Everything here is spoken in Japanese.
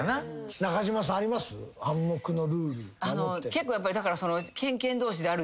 結構やっぱりだから。